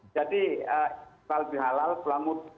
jadi sholat dihalal pelangun